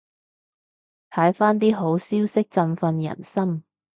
睇返啲好消息振奮人心